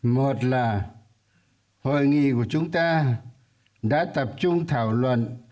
một là hội nghị của chúng ta đã tập trung thảo luận